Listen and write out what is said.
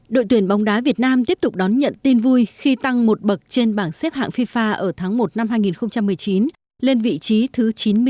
đội tuyển bóng đá việt nam tiếp tục đón nhận tin vui khi tăng một bậc trên bảng xếp hạng fifa ở tháng một năm hai nghìn một mươi chín lên vị trí thứ chín mươi chín